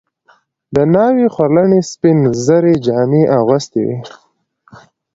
د ناوې خورلڼې سپین زري جامې اغوستې وې.